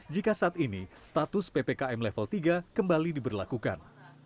jika saat ini status ppkm level tiga kembali diberlakukan